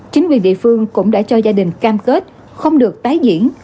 chính quyền địa phương cũng đã cho gia đình cam kết không được tái diễn